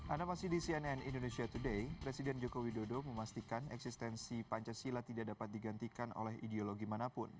anda masih di cnn indonesia today presiden joko widodo memastikan eksistensi pancasila tidak dapat digantikan oleh ideologi manapun